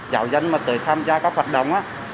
giáo dân mà tới tham gia các hoạt động